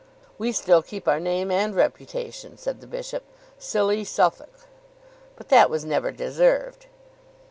"We still keep our name and reputation," said the bishop; "Silly Suffolk!" "But that was never deserved."